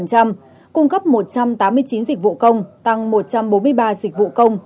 cung cấp một trăm tám mươi chín dịch vụ công tăng một trăm bốn mươi ba dịch vụ công